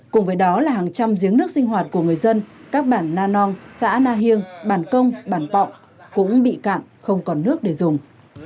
cùng với đó là hàng trăm giếng nước sinh hoạt của người dân các bản na non xã na hiêng bản công bản pọng cũng bị cạn không còn nước để dùng